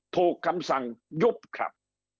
คำสั่งยุบครับ